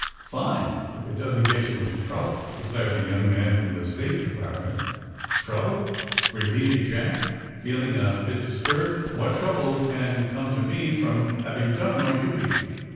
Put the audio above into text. Fine, if it doesn't get you into trouble. '* declared the young man from the State Depart ment. *^ Trouble?" repeated Jack, feeling a bit dis turbed. *^What trouble can come to me from having done my duty!"